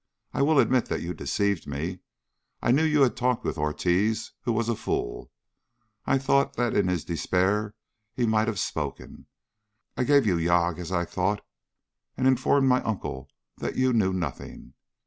I will admit that you deceived me. I knew you had talked with Ortiz, who was a fool. I thought that in his despair he might have spoken. I gave you yagué, as I thought, and informed my uncle that you knew nothing.